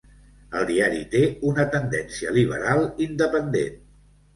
El diari té una tendència liberal independent.